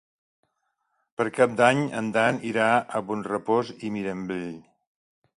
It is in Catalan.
Per Cap d'Any en Dan irà a Bonrepòs i Mirambell.